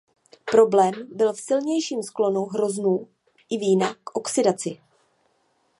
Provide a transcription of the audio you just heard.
Problém byl v silnějším sklonu hroznů i vína k oxidaci.